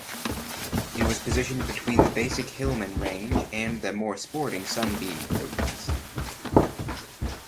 It was positioned between the basic Hillman range and the more sporting Sunbeam versions.